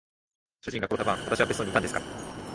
主人が殺された晩、私は別荘にいたんですから。